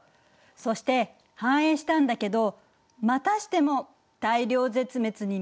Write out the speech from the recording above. そして繁栄したんだけどまたしても大量絶滅に見舞われるの。